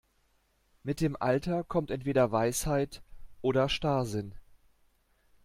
Mit dem Alter kommt entweder Weisheit oder Starrsinn.